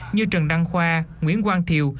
như trần đăng khoa nguyễn quang thiều